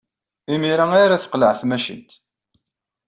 Imir-a ara teqleɛ tmacint.